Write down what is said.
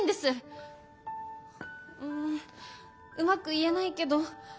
んうまく言えないけど。